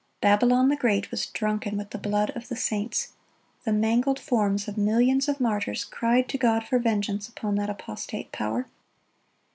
"Babylon the great" was "drunken with the blood of the saints." The mangled forms of millions of martyrs cried to God for vengeance upon that apostate power.